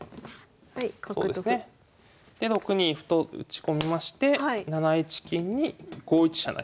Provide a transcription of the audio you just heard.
はい角と歩。で６二歩と打ち込みまして７一金に５一飛車成。